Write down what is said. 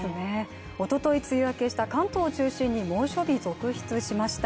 おととい梅雨明けした関東を中心に猛暑日続出しました。